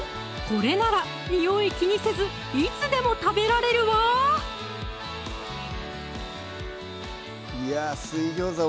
これならにおい気にせずいつでも食べられるわいや「水餃子」